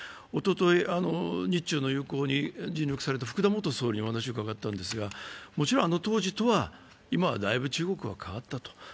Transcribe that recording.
おととい日中の友好に尽力された福田元総理にお話を伺ったんですが、もちろんあの当時とは今はだいぶ中国は変わったと。